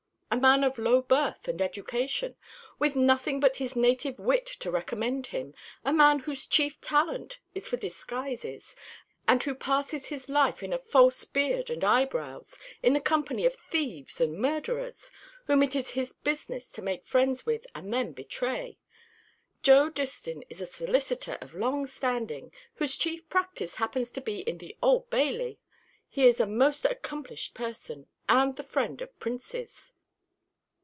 A man of low birth and education, with nothing but his native wit to recommend him; a man whose chief talent is for disguises, and who passes his life in a false beard and eyebrows, in the company of thieves and murderers, whom it is his business to make friends with and then betray. Joe Distin is a solicitor of long standing, whose chief practice happens to be in the Old Bailey. He is a most accomplished person, and the friend of princes."